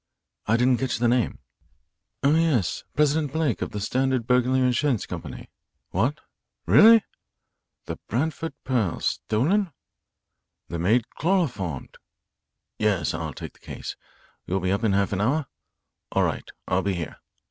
I didn't catch the name oh, yes President Blake of the Standard Burglary Insurance Company. What really? The Branford pearls stolen? Maid chloroformed? Yes, I'll take the case. You'll be up in half an hour? All right, I'll be here.